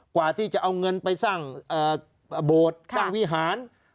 กว่าที่จะเอาเงินไปสร้างโบสถ์สร้างวิหาร